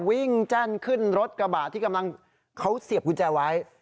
แจ้นขึ้นรถกระบะที่กำลังเขาเสียบกุญแจไว้